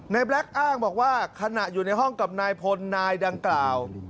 แบล็คอ้างบอกว่าขณะอยู่ในห้องกับนายพลนายดังกล่าว